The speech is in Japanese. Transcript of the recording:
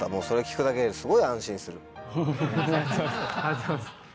それ聞くだけですごい安心する。